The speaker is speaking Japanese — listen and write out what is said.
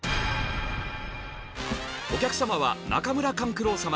お客様は中村勘九郎様。